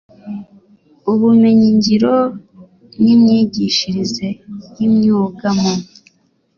ubumenyingiro n imyigishirize y imyuga mu